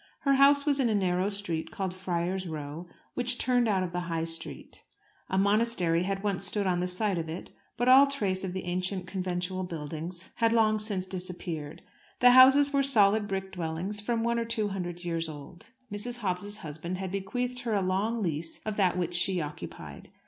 Her house was in a narrow street, called Friar's Row, which turned out of the High Street. A monastery had once stood on the site of it, but all trace of the ancient conventual buildings had long since disappeared. The houses were solid brick dwellings, from one to two hundred years old. Mrs. Dobbs's husband had bequeathed her a long lease of that which she occupied.